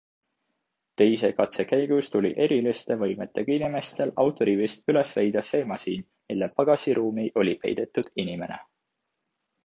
Teise katse käigus tuli eriliste võimetega inimestel autorivist üles leida see masin, mille pagasiruumi oli peidetud inimene.